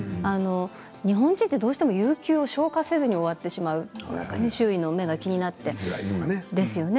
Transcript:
日本人ってどうしても有給を消化せずに終わってしまう周囲の目が気になって、ですよね。